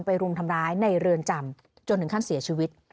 รุมทำร้ายในเรือนจำจนถึงขั้นเสียชีวิต